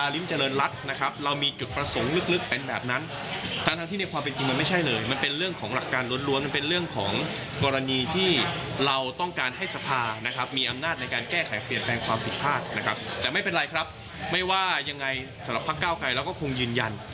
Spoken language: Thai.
และเปลี่ยนแปลงความผิดพลาดนะครับแต่ไม่เป็นไรครับไม่ว่ายังไงสำหรับภาคเก้าไกลเราก็คงยืนยัน